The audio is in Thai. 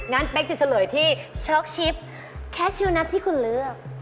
งั้นเป๊กจะเฉลยที่ช็อคชิปแคชุนัทที่คุณเลือก